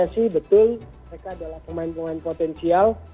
pssi betul mereka adalah pemain pemain potensial